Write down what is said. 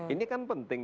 ini kan penting